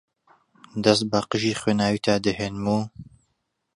دەست بە قژی خوێناویتا دەهێنم و